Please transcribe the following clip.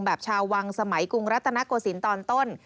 แบบชาววังสมัยกรุงรัฐนกษีนตอนต้น